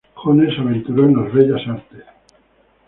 Jones se aventuró en las bellas artes.